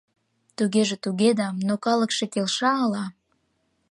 — Тугеже туге да, но калыкше келша ала?..